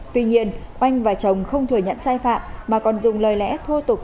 tuy nhiên oanh và chồng không thừa nhận sai phạm mà còn dùng lời lẽ thô tục